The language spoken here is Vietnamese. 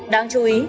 đáng chú ý